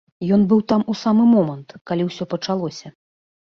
Ён быў там у самы момант, калі ўсё пачалося.